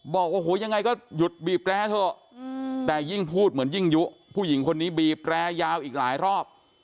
บอกโอ้โหยังไงก็หยุดบีบแร้เถอะแต่ยิ่งพูดเหมือนยิ่งยุผู้หญิงคนนี้บีบแร้ยาวอีกหลายรอบ